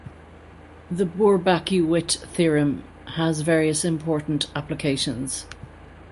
The Bourbaki-Witt theorem has various important applications.